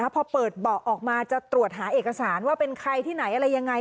พอเปิดเบาะออกมาจะตรวจหาเอกสารว่าเป็นใครที่ไหนอะไรยังไง